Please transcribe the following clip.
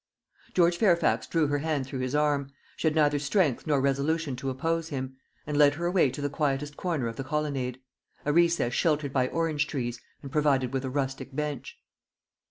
George Fairfax drew her hand through his arm she had neither strength nor resolution to oppose him and led her away to the quietest corner of the colonnade a recess sheltered by orange trees, and provided with a rustic bench.